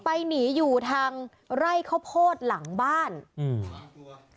หนีอยู่ทางไร่ข้าวโพดหลังบ้านอืม